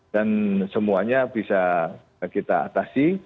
dan semuanya bisa kita atasi